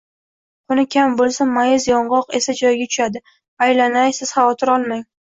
Qoni kam bo`lsa, mayiz, yong`oq esa joyiga tushadi, aylanay, siz xavotir olmang